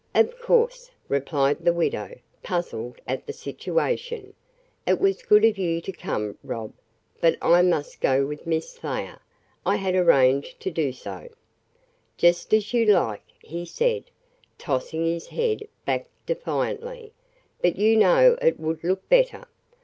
"Of course," replied the widow, puzzled at the situation, "it was good of you to come, Rob, but I must go with Miss Thayer. I had arranged to do so." "Just as you like," he said, tossing his head back defiantly, "but you know it would look better.